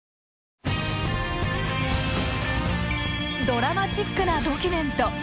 ドラマチックなドキュメント。